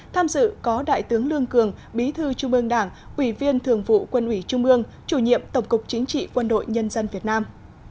tham dự có đại tướng lương cường bí thư trung ương đảng ủy viên thường vụ quân ủy trung ương chủ nhiệm tổng cục chính trị quân đội nhân dân việt nam